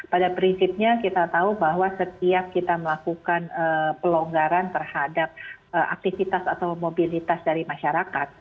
pada prinsipnya kita tahu bahwa setiap kita melakukan pelonggaran terhadap aktivitas atau mobilitas dari masyarakat